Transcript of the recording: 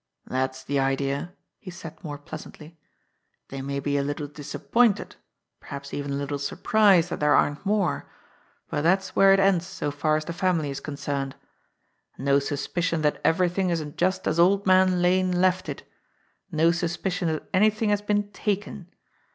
"That's the idea!" he said more pleasantly. "They may be a little disappointed, perhaps even a little surprised that there aren't more, but that's where it ends so far as the family is concerned. No suspicion that everything isn't just as old man Lane left it ; no suspicion that anything has been taken.